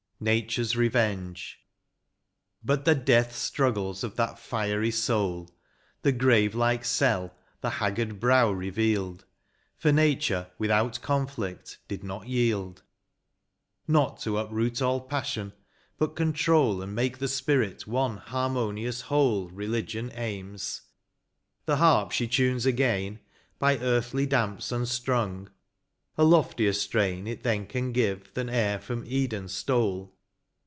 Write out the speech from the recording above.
nature's REVENGE. BoT the death straggles of that fiery soul^ The grave like cell the haggard brow revealed^ For Nature without conflict did not yield : Not to uproot all passion, but control, And make the spirit one harmonious whole, Religion aims ; the harp she tunes again. By earthly damps unstrung, a loftier strain It then can give than e'er from Eden stole.